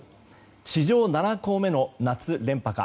史上７校目の夏連覇か。